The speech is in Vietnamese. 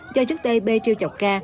do trước đây b triêu chọc k